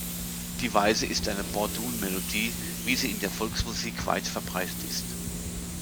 Die Weise ist eine Bordun-Melodie, wie sie in der Volksmusik weit verbreitet ist.